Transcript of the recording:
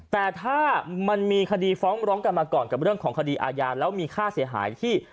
แต่ถ้ามันมีคดีฟ้องร้องกันมาก่อนกับเรื่องของคดีอาญาแล้วมีค่าเสียหายที่